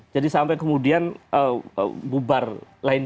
jadi sampai kemudian bubar lain